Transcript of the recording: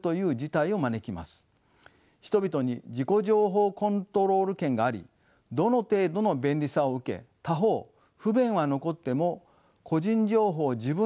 人々に自己情報コントロール権がありどの程度の便利さを受け他方不便は残っても個人情報を自分で支配して管理するということ。